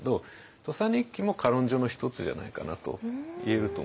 「土佐日記」も歌論書の一つじゃないかなといえると思いますね。